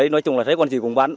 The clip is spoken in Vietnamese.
nói chung là thấy con gì cũng bắn